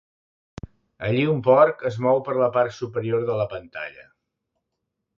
Allí, un porc es mou per la part superior de la pantalla.